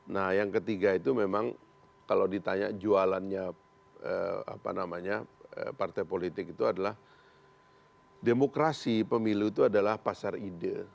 nah yang ketiga itu memang kalau ditanya jualannya apa namanya partai politik itu adalah demokrasi pemilu itu adalah pasar ide